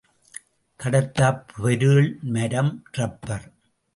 கடத்தாப் பொருள் மரம், ரப்பர்.